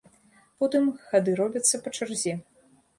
Потым хады робяцца па чарзе.